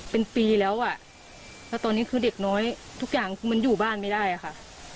เป็นปีแล้วอ่ะแล้วตอนนี้คือเด็กน้อยทุกอย่างคือมันอยู่บ้านไม่ได้อะค่ะ